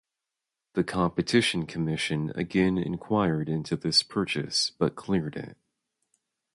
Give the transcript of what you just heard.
The Competition Commission again inquired into this purchase but cleared it.